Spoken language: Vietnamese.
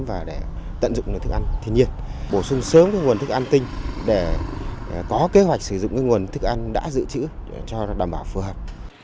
và để tận dụng nơi thức ăn thiên nhiệt bổ sung sớm nguồn thức ăn tinh để có kế hoạch sử dụng nguồn thức ăn đã giữ chữ cho đảm bảo phù hợp